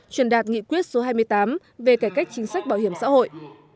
truyền đạt nghị quyết số hai mươi tám về cải cách chính sách bảo hiểm xã hội